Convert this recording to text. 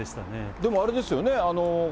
でもあれですよね。